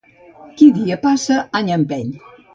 Qui dia passa, any empeny.